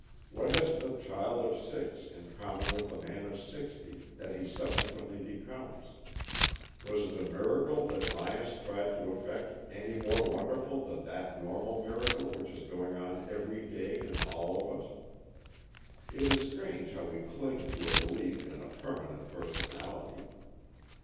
What has the child of six in common with the man of sixty that he subsequently be comes.^ Was the miracle that Myas tried to effect any more wonderful than that normal miracle which is going on every day in all of us? It is strange how we cling to a belief in a permanent personality.